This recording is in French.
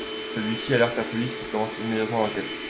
Celui-ci alerte la police, qui commence immédiatement l'enquête.